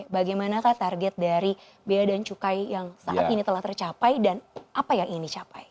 bagaimanakah target dari biaya dan cukai yang saat ini telah tercapai dan apa yang ingin dicapai